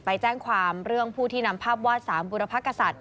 ไปแจ้งความเรื่องผู้ที่นำภาพวาด๓บุรพกษัตริย